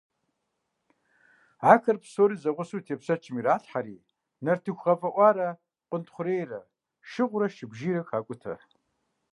Ахэр псори зэгъусэу тепщэчым иралъхьэри, нартыху гъэфӀэӀуарэ къуэнтхъурейрэ, шыгъурэ шыбжийрэ хакӀутэ.